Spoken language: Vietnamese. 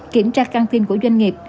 kiểm tra căn thiên của doanh nghiệp